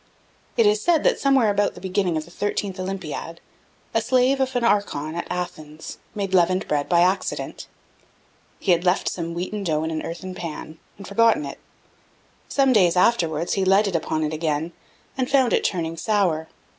It is said, that somewhere about the beginning of the thirtieth Olympiad, the slave of an archon, at Athens, made leavened bread by accident. He had left some wheaten dough in an earthen pan, and forgotten it; some days afterwards, he lighted upon it again, and found it turning sour.